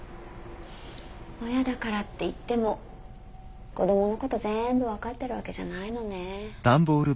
親だからっていっても子供のことぜんぶ分かってるわけじゃないのねえ。